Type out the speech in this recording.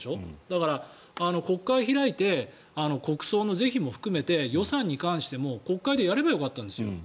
だから、国会を開いて国葬の是非も含めて予算に関しても国会でやればよかったんですよ。